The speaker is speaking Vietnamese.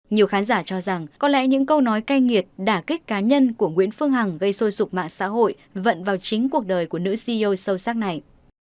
nhiều khán giả cho rằng có lẽ những câu nói cay nghiệt đả kích cá nhân của nguyễn phương hằng gây sôi sụp mạng xã hội vận vào chính cuộc đời của nữ ceo sâu sắc này